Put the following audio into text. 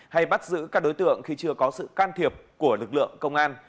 hay bắt giữ các đối tượng khi chưa có sự can thiệp của lực lượng công an